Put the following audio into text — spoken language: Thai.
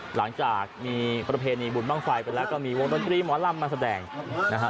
หลังจากมีประเพณีบุญบ้างไฟไปแล้วก็มีวงดนตรีหมอลำมาแสดงนะฮะ